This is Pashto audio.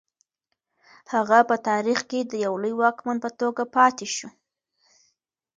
هغه په تاریخ کې د یو لوی واکمن په توګه پاتې شو.